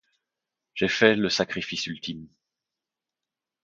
J'ai fait le sacrifice ultime.